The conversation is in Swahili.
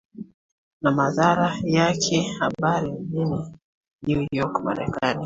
na madhara yakeahabari mjini New York Marekani